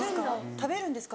食べるんですか？